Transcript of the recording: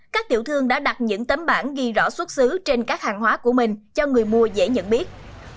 các tiểu thương đã đặt những tấm bản ghi rõ xuất xứ trên các hàng hóa của mình cho người mua dễ nhận biết